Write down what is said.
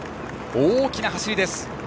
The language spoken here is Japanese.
大きな走りです！